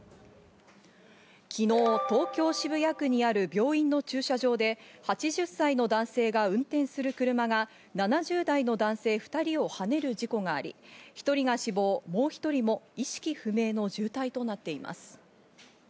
昨日、東京・渋谷区にある病院の駐車場で８０歳の男性が運転する車が７０代の男性２人をはねる事故があり、１人が死亡、もう１人も意識不明の重体となっています。